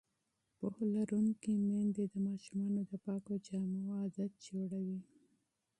پوهه لرونکې میندې د ماشومانو د پاکو جامو عادت جوړوي.